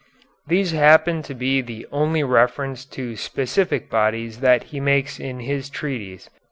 These happen to be the only reference to specific bodies that he makes in his treatise.